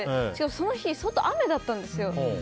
その日外、雨だったんですよ。